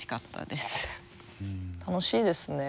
楽しいですね